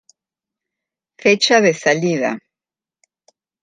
Fecha de salida